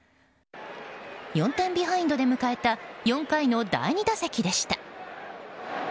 ４点ビハインドで迎えた４回の第２打席でした。